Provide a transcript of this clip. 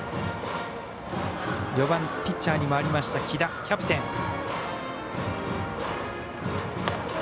４番ピッチャーにも回りました来田、キャプテン。